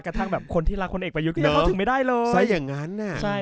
กระทั่งคนที่รักคนเอกประยุทธก็จะเข้าถึงไม่ได้เลย